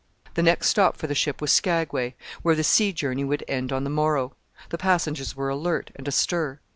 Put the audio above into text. The next stop for the ship was Skagway, where the sea journey would end on the morrow. The passengers were alert and astir.